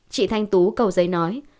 chị thanh tú cầu giấy nói